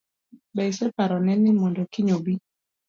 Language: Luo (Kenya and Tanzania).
Be iseparo ne ni mondo kiny obi?